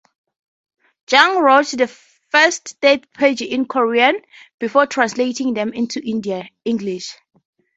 Jung wrote the first thirty pages in Korean before translating them into English.